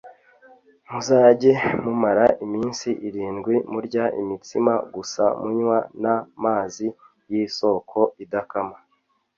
Muzajye mumara iminsi irindwi murya imitsima gusa munywa na mazi y ‘isoko idakama